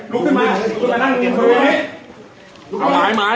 ตำรวจแห่งมือ